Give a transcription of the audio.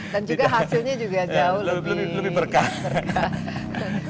dan juga hasilnya juga jauh lebih berkat